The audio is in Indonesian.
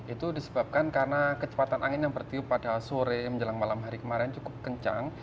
itu disebabkan karena kecepatan angin yang bertiup pada sore menjelang malam hari kemarin cukup kencang